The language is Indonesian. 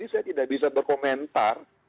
saya tidak bisa berkomentar